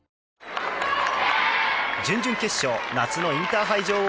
準々決勝夏のインターハイ女王